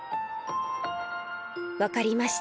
わかりました。